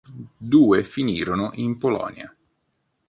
Due finirono in Polonia.